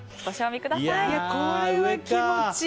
これは気持ちいい！